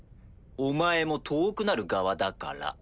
お前も遠くなる側だから。